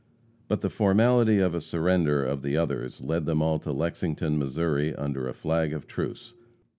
But the formality of a surrender of the others led them all to Lexington, Mo., under a flag of truce.